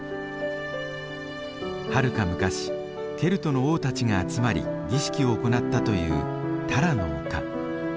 はるか昔ケルトの王たちが集まり儀式を行ったというタラの丘。